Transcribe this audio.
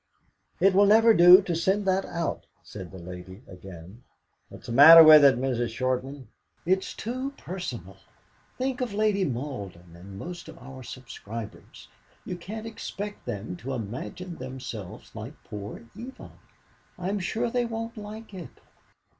"It will never do to send that out," said the lady again. "What is the matter with it, Mrs. Shortman?" "It's too personal. Think of Lady Malden, or most of our subscribers. You can't expect them to imagine themselves like poor Eva. I'm sure they won't like it."